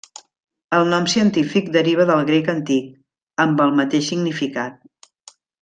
El nom científic deriva del grec antic, amb el mateix significat.